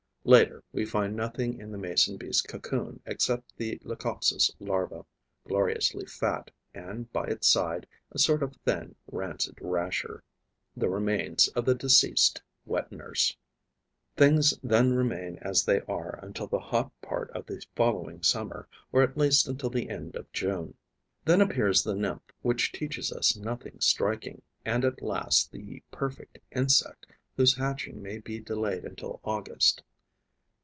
Later, we find nothing in the Mason bee's cocoon except the Leucopsis' larva, gloriously fat, and, by its side, a sort of thin, rancid rasher, the remains of the deceased wet nurse. Things then remain as they are until the hot part of the following summer or at least until the end of June. Then appears the nymph, which teaches us nothing striking; and at last the perfect insect, whose hatching may be delayed until August.